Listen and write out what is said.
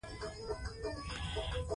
ساینسپوهان هیله لري.